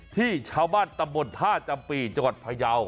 ที่ชาวบ้านตำบลธาตุจังหวีจรภยาวด์